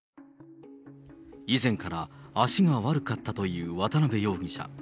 以前から足が悪かったという渡邉容疑者。